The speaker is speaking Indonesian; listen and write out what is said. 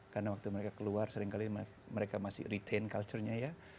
karena waktu mereka keluar seringkali mereka masih retain culture nya ya